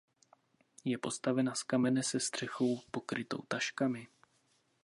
Je postavena z kamene se střechou pokrytou taškami.